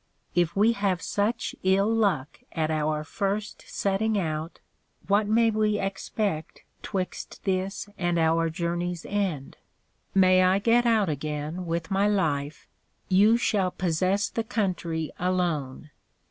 If we have such ill luck at our first setting out, what may we expect 'twixt this and our Journey's end? May I get out again with my life, you shall possess the Country alone.